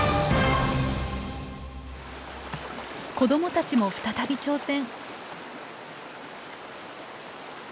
子どもたちも再び挑戦。